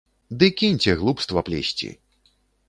Ды кіньце глупства плесці.